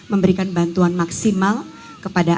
memberikan bantuan maksimal kepada